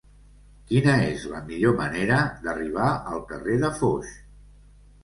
Quina és la millor manera d'arribar al carrer de Foix?